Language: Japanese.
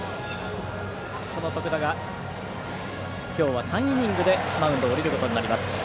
その徳田がきょうは３イニングでマウンドを降りることになります。